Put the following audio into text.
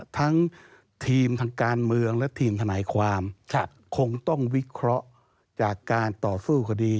ทั้งทีมทางการเมืองและทีมทนายความคงต้องวิเคราะห์จากการต่อสู้คดี